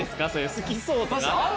好きそうとか。